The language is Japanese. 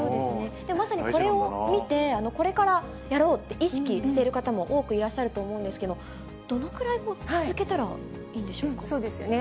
まさにこれを見て、これからやろうって、意識している方も多くいらっしゃると思うんですけども、どのくらそうですよね。